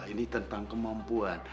ini tentang kemampuan